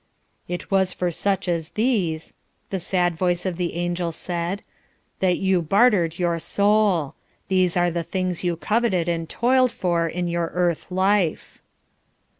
"It was for such as these," the sad voice of the angel said, "that you bartered your soul; these are the things you coveted and toiled for in your earth life."